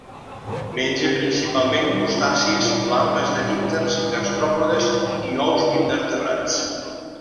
Menja principalment crustacis, larves de dípters, gastròpodes i ous d'invertebrats.